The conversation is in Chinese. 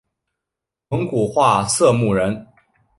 蒙古化色目人。